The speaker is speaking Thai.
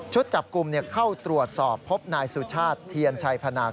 จับกลุ่มเข้าตรวจสอบพบนายสุชาติเทียนชัยพนาค